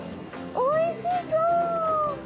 おいしそう！